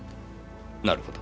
なるほど。